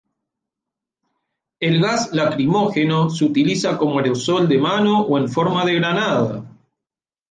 El gas lacrimógeno se utiliza como aerosol de mano o en forma de granada.